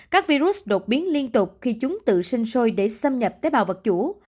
các virus đột biến liên tục khi chúng tự sinh sôi để xâm nhập tế bào vật chủ